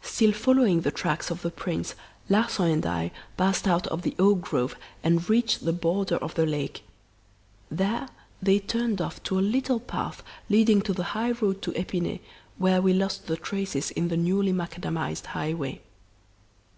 "Still following the tracks of the prints, Larsan and I passed out of the oak grove and reached the border of the lake. There they turned off to a little path leading to the high road to Epinay where we lost the traces in the newly macadamised highway.